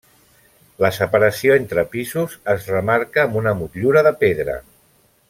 La separació entre pisos es remarca amb una motllura de pedra.